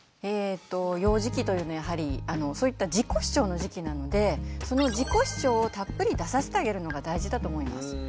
えと幼児期というのはやはりそういった自己主張の時期なのでその自己主張をたっぷり出させてあげるのが大事だと思います。